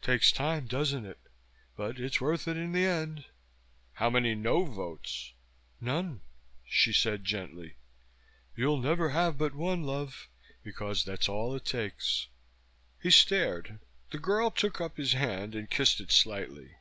Takes time, doesn't it? But it's worth it in the end." "How many 'no' votes?" "None." She said gently, "You'll never have but one, love, because that's all it takes." He stared. The girl gook took up his hand and kissed it lightly.